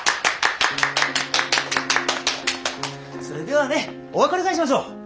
それではねお別れ会しましょう。